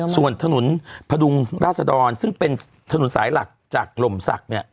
ส่วนถนนพดุงราศดรซึ่งเป็นถนนสายหลักจากลมศักดิ์เนี่ย